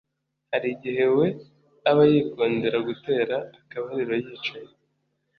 hari igihe we aba yikundira gutera akabariro yicaye